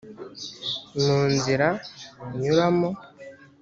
mu nzira nyuramo